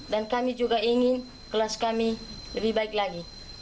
dan kami juga ingin kelas kami lebih baik lagi